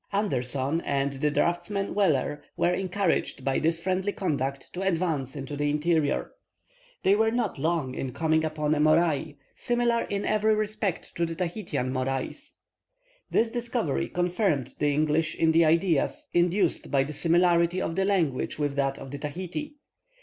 Anderson and the draughtsman Weller were encouraged by this friendly conduct to advance into the interior. They were not long in coming upon a moraï, similar in every respect to the Tahitian moraïs. This discovery confirmed the English in the ideas induced by the similarity of the language with that of Tahiti.